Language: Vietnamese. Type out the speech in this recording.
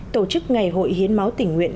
tổ chức ngày hội hiến máu tỉnh nguyện